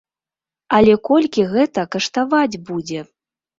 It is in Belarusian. Але колькі гэта каштаваць будзе!?